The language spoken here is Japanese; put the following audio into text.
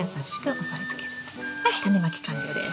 はいタネまき完了です。